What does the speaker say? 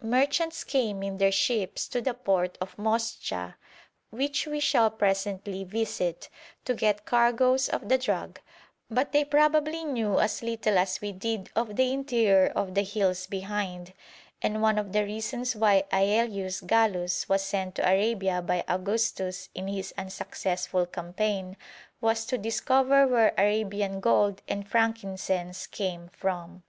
Merchants came in their ships to the port of Moscha, which we shall presently visit, to get cargoes of the drug, but they probably knew as little as we did of the interior of the hills behind, and one of the reasons why Aelius Gallus was sent to Arabia by Augustus on his unsuccessful campaign was 'to discover where Arabian gold and frankincense came from.'